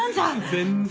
全然。